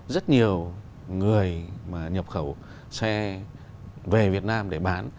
rất nhiều người mà nhập khẩu xe về việt nam để bán